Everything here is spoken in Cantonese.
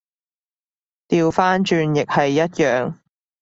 掉返轉亦係一樣